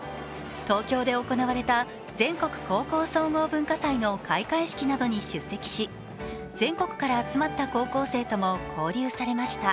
東京で行われた全国高校総合文化祭の開会式などに出席し、全国から集まった高校生とも交流されました。